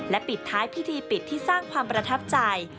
ปิดท้ายพิธีปิดที่สร้างความประทับใจ